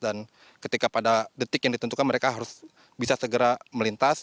dan ketika pada detik yang ditentukan mereka harus bisa segera melintas